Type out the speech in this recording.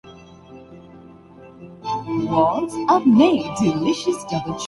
آج بھی دیوی دیوتاؤں کے نام کے بت بنا ئے جاتے ہیں